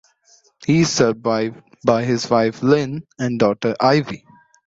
He is survived by his wife Lynn and daughter Ivy.